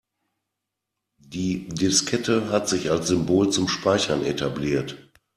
Die Diskette hat sich als Symbol zum Speichern etabliert.